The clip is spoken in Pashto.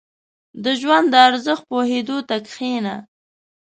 • د ژوند د ارزښت پوهېدو ته کښېنه.